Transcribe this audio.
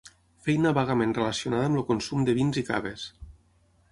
Feina vagament relacionada amb el consum de vins i caves.